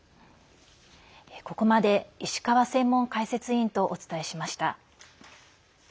ここまで石川専門解説委員とお伝えしました。